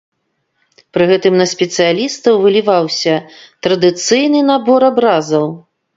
Пры гэтым на спецыялістаў выліваўся традыцыйны набор абразаў.